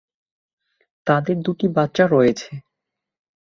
তাদের দুটি বাচ্চা রয়েছে।